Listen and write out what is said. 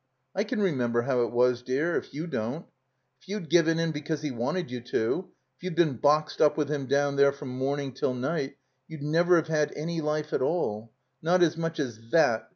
I can remember how it was, dear; if you don't. If you'd given in because he wanted you to; if you'd been boxed up with him down there from morning tiU night, you'd never have had any life at aU. Not as much as that!